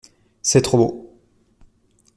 C’est trop beau.